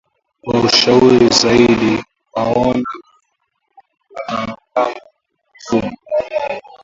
Kwa ushauri zaidi onana na wataalamu wa mifugo